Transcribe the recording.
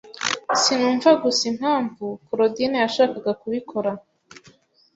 Sinumva gusa impamvu Korodina yashaka kubikora.